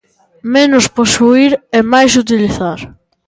Menos posuír e máis utilizar.